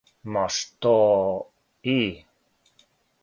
Ма што и?